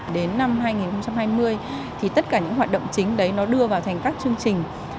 đến năm hai nghìn hai mươi tất cả những hoạt động chính đưa vào thành các chương trình